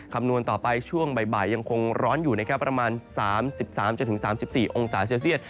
คำนวณต่อไปช่วงบ่ายยังคงร้อนอยู่นะครับประมาณ๓๓๔องศาเซลเซียต